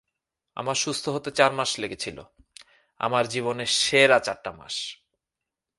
আমার সুস্থ হতে চার মাস লেগেছিল, আমার জীবনের সেরা চারটা মাস।